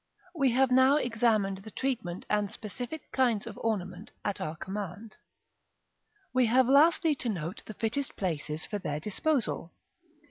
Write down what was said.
§ I. We have now examined the treatment and specific kinds of ornament at our command. We have lastly to note the fittest places for their disposal.